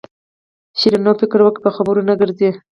شیرینو فکر وکړ په خبرو نه ګرځي.